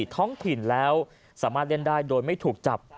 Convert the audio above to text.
ท้องถิ่นแล้วสามารถเล่นได้โดยไม่ถูกจับ